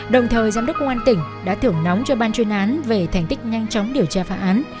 đồng thời giám đốc công an tỉnh đã thưởng nóng cho ban chuyên án về thành tích nhanh chóng điều tra phá án